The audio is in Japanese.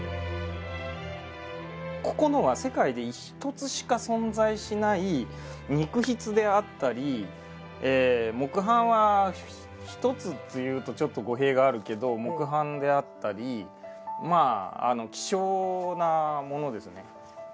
ここのは世界で一つしか存在しない肉筆であったり木版は一つというとちょっと語弊があるけど木版であったり希少なものですね。